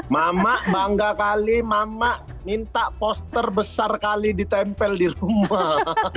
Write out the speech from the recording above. mama bangga kali mama minta poster besar kali ditempel di rumah